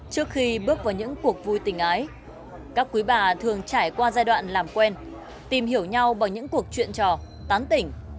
trước khi bước vào những cuộc vui tình ái các quý bà thường trải qua giai đoạn làm quen tìm hiểu nhau bằng những cuộc chuyện trò tán tỉnh